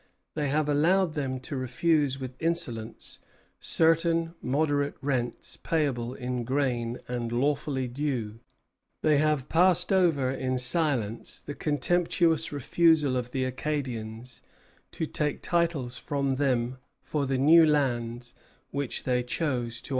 They have allowed them to refuse with insolence certain moderate rents payable in grain and lawfully due. They have passed over in silence the contemptuous refusal of the Acadians to take titles from them for the new lands which they chose to occupy.